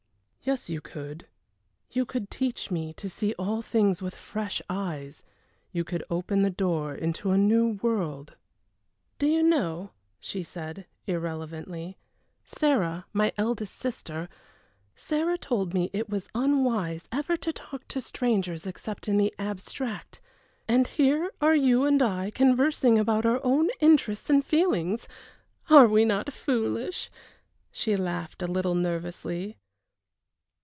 "Yes, you could you could teach me to see all things with fresh eyes. You could open the door into a new world." "Do you know," she said, irrelevantly, "Sarah my eldest sister Sarah told me it was unwise ever to talk to strangers except in the abstract and here are you and I conversing about our own interests and feelings are not we foolish!" She laughed a little nervously.